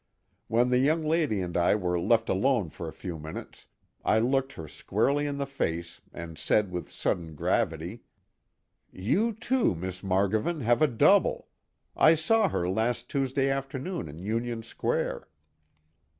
When the young lady and I were left alone for a few minutes I looked her squarely in the face and said with sudden gravity: "You, too, Miss Margovan, have a double: I saw her last Tuesday afternoon in Union square."